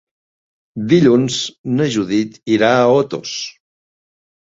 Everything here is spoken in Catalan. Dilluns na Judit irà a Otos.